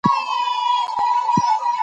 چنګلونه د افغانستان د طبعي سیسټم توازن ساتي.